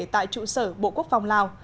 tại trụ sở bộ quốc phòng lào